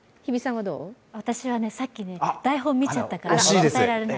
私はさっき台本見ちゃったから、答えられない。